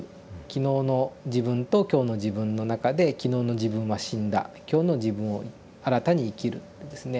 昨日の自分と今日の自分の中で昨日の自分は死んだ今日の自分を新たに生きるっていうですね。